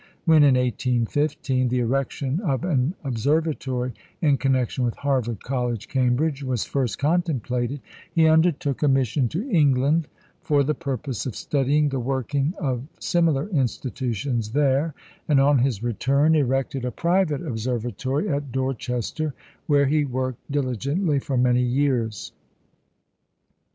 When, in 1815, the erection of an observatory in connection with Harvard College, Cambridge, was first contemplated, he undertook a mission to England for the purpose of studying the working of similar institutions there, and on his return erected a private observatory at Dorchester, where he worked diligently for many years.